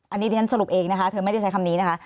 อันนี้ดิฉันสรุปเองนะคะเธอไม่ได้ใช้คำนี้นะคะ